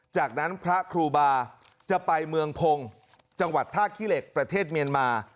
จากนั้นพระครูบาจะไปเมืองพงศ์จังหวัดท่าขี้เหล็กประเทศเมียนมา